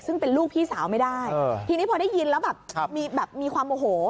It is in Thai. ซึ่งเป็นลูกพี่สาวไม่ได้ทีนี้พอได้ยินแล้วแบบมีแบบมีความโมโห